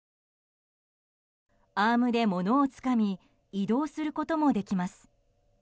アームで物をつかみ移動することもできます。